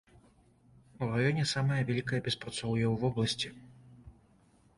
У раёне самае вялікае беспрацоўе ў вобласці.